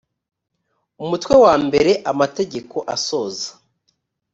umutwe wa mbere amategeko asoza